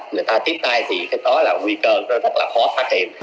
người ta tiếp tay thì cái đó là nguy cơ rất là khó phát triển